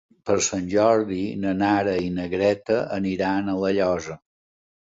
Per Sant Jordi na Nara i na Greta aniran a La Llosa.